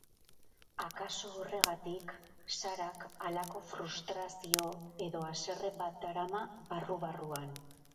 Akaso horregatik, Sarak halako frustrazio edo haserre bat darama barru-barruan.